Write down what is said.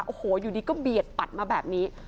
โอ้โหอยู่ดีก็เบียดปัดมาแบบนี้